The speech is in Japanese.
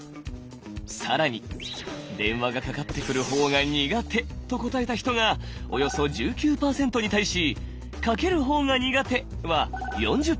更に「電話がかかってくる方が苦手」と答えた人がおよそ１９％に対し「かける方が苦手」は４０％。